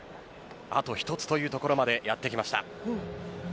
あと１つというところまでやってきました。